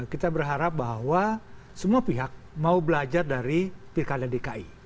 kita berharap bahwa semua pihak mau belajar dari pki